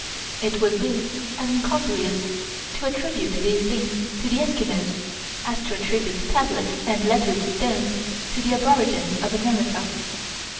It would be as incongruous to attribute these things to the Eskimos as to attribute tablets and lettered stones to the aborigines of America.